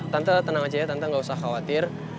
tante tenang aja ya tante gak usah khawatir